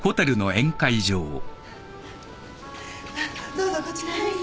どうぞこちらです。